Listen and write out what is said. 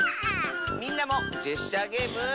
みんなもジェスチャーゲーム。